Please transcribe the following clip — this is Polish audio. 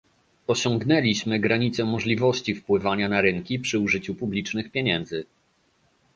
Osiągnęliśmy granicę możliwości wpływania na rynki przy użyciu publicznych pieniędzy